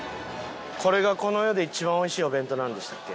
これがこの世で一番おいしいお弁当なんでしたっけ？